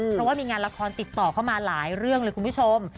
เพราะว่ามีงานละครติดต่อเข้ามาหลายเรื่องเลยคุณผู้ชม